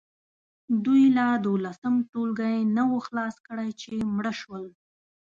دوی لا دولسم ټولګی نه وو خلاص کړی چې مړه شول.